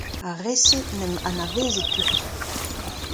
Ar re-se en em anaveze tout.